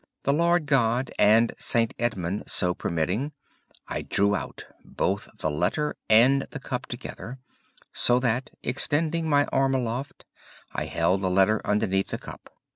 The Lord God and St. Edmund so permitting, I drew out both the letter and the cup together, so that, extending my arm aloft, I held the letter underneath the cup.